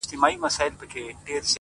دغه اوږده شپه تر سهاره څنگه تېره كړمه _